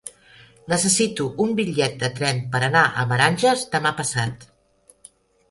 Necessito un bitllet de tren per anar a Meranges demà passat.